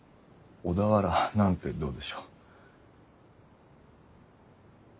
小田原なんてどうでしょう？